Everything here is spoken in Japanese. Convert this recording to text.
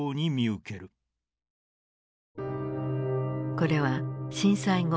これは震災後